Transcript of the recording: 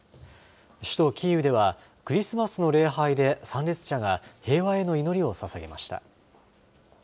首都キーウでは、クリスマスの礼拝で参列者が平和への祈りをささげました。